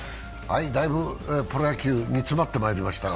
だいぶプロ野球、煮詰まってまいりましたが？